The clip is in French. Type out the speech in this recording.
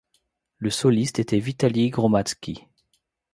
Le soliste était Vitali Gromadski.